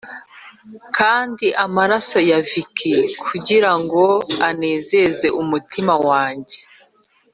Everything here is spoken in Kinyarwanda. kandi amaraso ya vikings kugirango anezeze umutima wanjye.